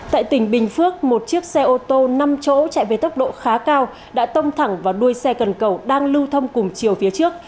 tại tỉnh bình phước một chiếc xe ô tô năm chỗ chạy về tốc độ khá cao đã tông thẳng vào đuôi xe cần cầu đang lưu thông cùng chiều phía trước